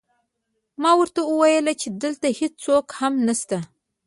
ما ورته وویل چې دلته هېڅوک هم نشته